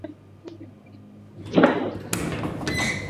za kuweza kujiamulia kuhusu masuala mbali mbali ya maisha yao